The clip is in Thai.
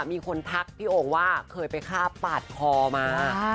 มีคนทักพี่โอ่งว่าเคยไปฆ่าปาดคอมา